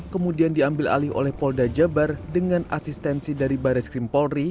kemudian diambil alih oleh polda jabar dengan asistensi dari baris krim polri